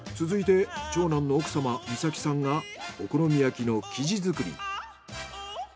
続いて長男の奥様美咲さんがお好み焼きの生地作り。